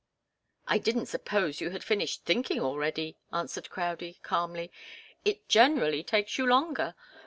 "I didn't suppose you had finished thinking already," answered Crowdie, calmly. "It generally takes you longer.